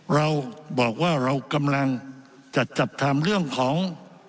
เราบอกว่าเรากำลังจะจัดทำเรื่องของ